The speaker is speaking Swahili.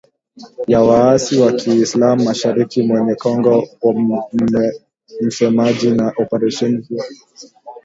Ya waasi wa kiislam mashariki mwa Kongo msemaji wa operesheni hiyo alisema.